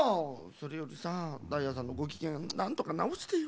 それよりさダイヤさんのごきげんなんとかなおしてよ。